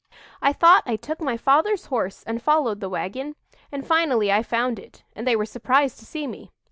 "I thought I took my father's horse and followed the wagon, and finally I found it, and they were surprised to see me.